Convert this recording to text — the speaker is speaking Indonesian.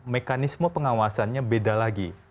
mekanisme pengawasannya beda lagi